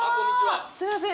すいません。